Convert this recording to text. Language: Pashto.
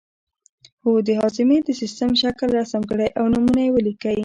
هو د هاضمې د سیستم شکل رسم کړئ او نومونه یې ولیکئ